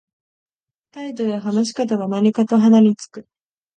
態度や話し方が何かと鼻につく